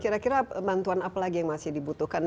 kira kira bantuan apalagi yang masih dibutuhkan